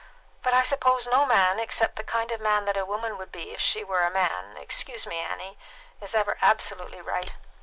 But I suppose no man, except the kind of a man that a woman would be if she were a man excuse me, Annie is ever absolutely right.